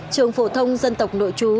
trường phổ thông dân tộc nội chú